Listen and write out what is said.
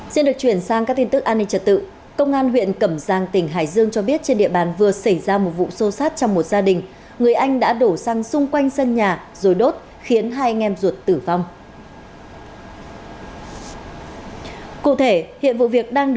xin được chuyển sang các tin tức an ninh trật tự